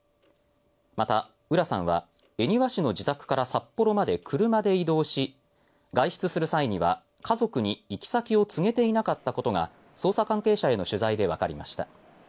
また、浦さんは恵庭市の自宅から札幌まで車で移動し、外出する際には家族に行き先を告げていなかったことが捜査関係者への取材でわかりました。